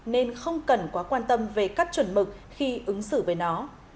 nên không cần quá quan tâm về các chuẩn mực khi ứng xử với nó